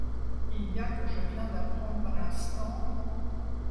Il y a que je viens d’apprendre à l’instant...